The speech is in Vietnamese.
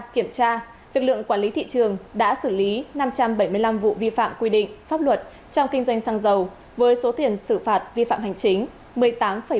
kiểm tra lực lượng quản lý thị trường đã xử lý năm trăm bảy mươi năm vụ vi phạm quy định pháp luật trong kinh doanh xăng dầu với số tiền xử phạt vi phạm hành chính một mươi tám bảy tỷ đồng